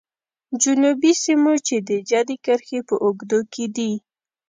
جنوبي سیمو چې د جدي کرښې په اوږدو کې دي.